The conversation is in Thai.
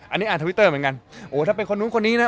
อันนี้อ่านทวิตเตอร์เหมือนกันโอ้ถ้าเป็นคนนู้นคนนี้นะ